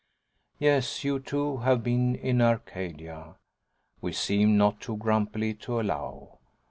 "Yes, you too have been in Arcadia," we seem not too grumpily to allow.